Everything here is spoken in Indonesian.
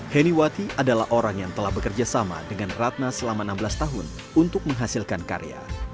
heniwati adalah orang yang telah bekerja sama dengan ratna selama enam belas tahun untuk menghasilkan karya